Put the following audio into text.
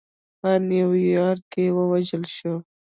په نیویارک کې ووژل شو.